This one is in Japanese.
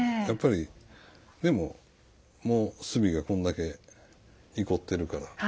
やっぱりもう炭がこんだけいこっているから。